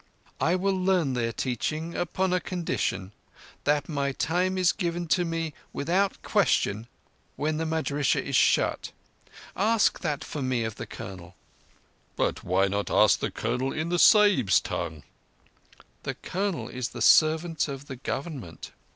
"I will learn their teaching upon a condition—that my time is given to me without question when the madrissah is shut. Ask that for me of the Colonel." "But why not ask the Colonel in the Sahibs' tongue?" "The Colonel is the servant of the Government.